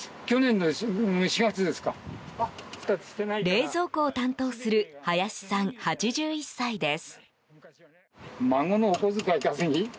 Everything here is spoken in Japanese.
冷蔵庫を担当する林さん、８１歳です。